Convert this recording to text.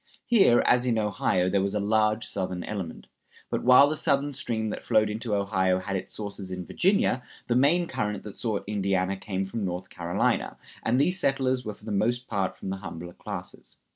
Here, as in Ohio, there was a large Southern element. But while the Southern stream that flowed into Ohio had its sources in Virginia, the main current that sought Indiana came from North Carolina; and these settlers were for the most part from the humbler classes.